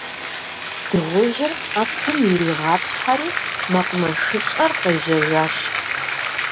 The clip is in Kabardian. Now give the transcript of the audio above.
Дыгъужьыр къэпым иригъапщхьэри, мэкъумэшыщӏэр къежьэжащ.